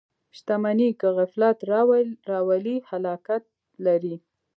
• شتمني که غفلت راولي، هلاکت لري.